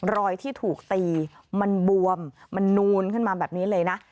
รอยที่ถูกตีมันบวมมันนูนขึ้นมาแบบนี้เลยนะ